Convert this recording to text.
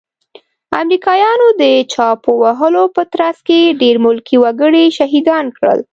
امريکايانو د چاپو وهلو په ترڅ کې ډير ملکي وګړي شهيدان کړل.